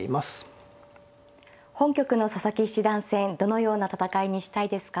本局の佐々木七段戦どのような戦いにしたいですか。